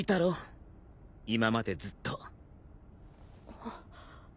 あっ。